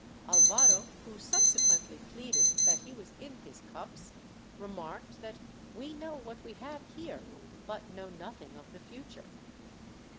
Alvaro (who subsequently pleaded that he was in his cups) remarked that we know what we have here but know nothing of the future.